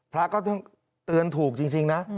พระก็เตือนถูกจริงนะ